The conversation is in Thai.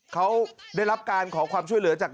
เขาได้รับการขอความช่วยเหลือจาก